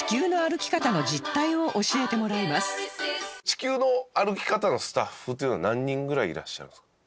『地球の歩き方』のスタッフというのは何人ぐらいいらっしゃるんですか？